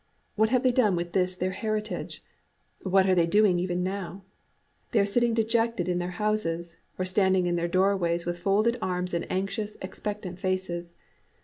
What have they done with this their heritage? What are they doing even now? They are sitting dejected in their houses, or standing in their doorways with folded arms and anxious, expectant faces.